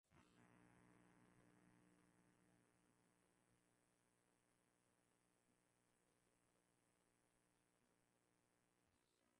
aweze kufahamishwa kisheria unajua kisheria ukichuliwa hatua hizo lazma